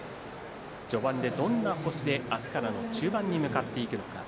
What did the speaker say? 序盤でどんな星で明日からの中盤に向かっていくのか。